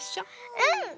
うん！